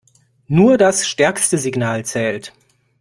Nur das stärkste Signal zählt.